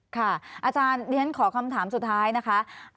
ค่ะอาจารย์ฉะนั้นขอคำถามสุดท้ายนะคะ